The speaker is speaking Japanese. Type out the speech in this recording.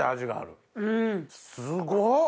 すごっ！